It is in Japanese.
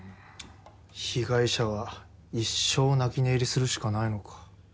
被害者は一生泣き寝入りするしかないのか。